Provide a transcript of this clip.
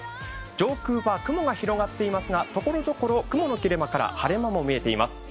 上空は雲が広がっていますが、ところどころ雲の切れ間から晴れ間も見えています。